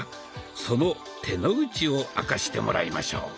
その「手の内」を明かしてもらいましょう。